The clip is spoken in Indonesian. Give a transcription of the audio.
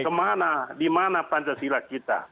kemana di mana pancasila kita